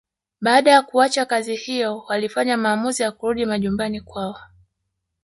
Baada ya kuacha kazi hiyo walifanya maamuzi ya kurudi majumbani kwao